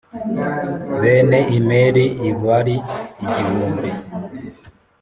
bene Imeri i bari igihumbi.